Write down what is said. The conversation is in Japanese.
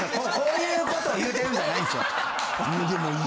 こういう事を言うてるんじゃないんですよ。